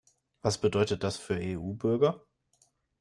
Was bedeutet das für EU-Bürger?